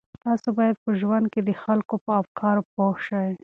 تاسو باید په ژوند کې د خلکو په افکارو پوه شئ.